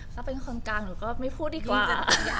ถ้าเป็นคนกลางหนูก็ไม่พูดดีกว่า